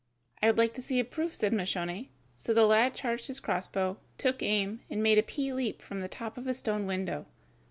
"I should like to see a proof," said Moscione, so the lad charged his crossbow, took aim, and made a pea leap from the top of the stone window.